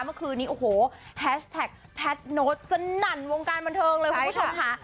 เมื่อคืนนี้โอ้โหแฮชแท็กแพทโน้ตสนั่นวงการบันเทิงเลยคุณผู้ชมค่ะ